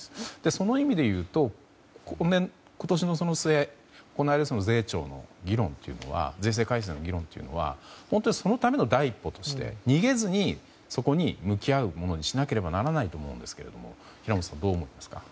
その意味で言うと今年の末に行う税制改正の議論というのはそのための第一歩として逃げずにそこに向き合うものにしなければならないと思うんですが平元さんは、どう思いますか？